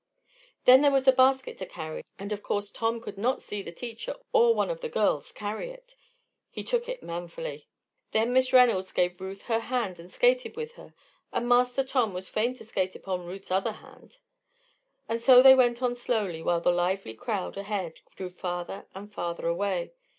Then there was a basket to carry, and of course Tom could not see the teacher or one of the girls carry it. He took it manfully. Then Miss Reynolds gave Ruth her hand and skated with her, and Master Tom was fain to skate upon Ruth's other hand. And so they went on slowly, while the lively crowd ahead drew farther and farther away.